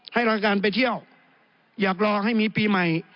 รายการไปเที่ยวอยากรอให้มีปีใหม่